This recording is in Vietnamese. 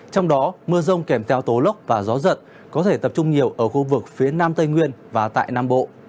trong đó mưa rông kèm theo tố lốc và gió giật có thể tập trung nhiều ở khu vực phía nam tây nguyên và tại nam bộ